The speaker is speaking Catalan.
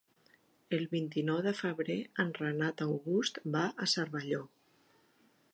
El vint-i-nou de febrer en Renat August va a Cervelló.